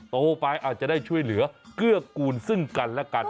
โตไปอาจจะได้ช่วยเหลือเกื้อกูลซึ่งกันและกัน